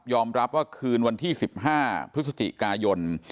รับว่าคืนวันที่๑๕พฤศจิกายน